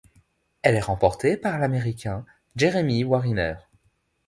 Elle est remportée par l'Américain Jeremy Wariner.